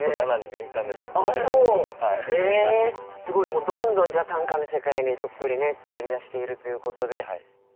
もうどんどんじゃあ短歌の世界にどっぷりねつかりだしているということで。